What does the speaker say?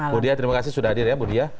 budia terima kasih sudah hadir ya budia